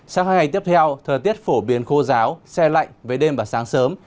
sáng hai ngày tiếp theo thời tiết phổ biến khô ráo xe lạnh về đêm và sáng sớm